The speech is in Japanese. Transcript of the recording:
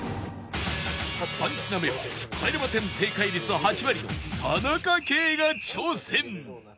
３品目は帰れま１０正解率８割の田中圭が挑戦